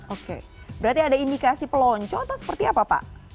oke berarti ada indikasi pelonco atau seperti apa pak